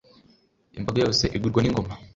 imbaga yose igurwa ingoma